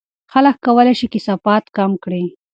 خلک کولای شي کثافات کم کړي.